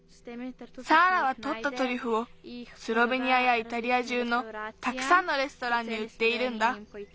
サーラはとったトリュフをスロベニアやイタリア中のたくさんのレストランにうっているんだ。